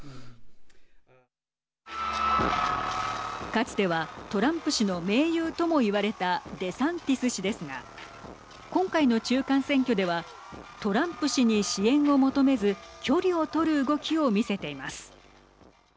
かつてはトランプ氏の盟友とも言われたデサンティス氏ですが今回の中間選挙ではトランプ氏に支援を求めず距離を取る動きを見せています。